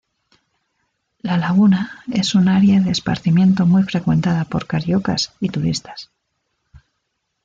La laguna es un área de esparcimiento muy frecuentada por cariocas y turistas.